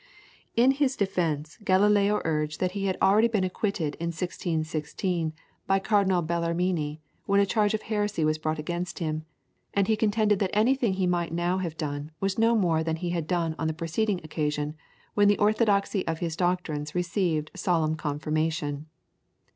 In his defence Galileo urged that he had already been acquitted in 1616 by Cardinal Bellarmine, when a charge of heresy was brought against him, and he contended that anything he might now have done, was no more than he had done on the preceding occasion, when the orthodoxy of his doctrines received solemn confirmation.